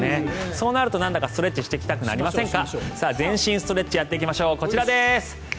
そうなるとなんだかストレッチをしたくなってきませんか。